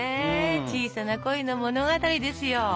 小さな恋の物語ですよ。